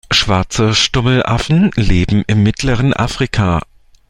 Schwarze Stummelaffen leben im mittleren Afrika.